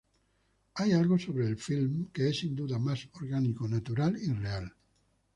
Hay algo sobre el film que es sin duda más orgánico natural y real.